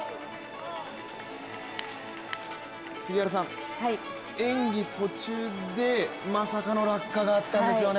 杉原さん、演技途中でまさかの落下があったんですよね。